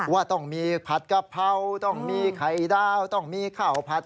ว่าต้องมีผัดกะเพราต้องมีไข่ดาวต้องมีข้าวผัด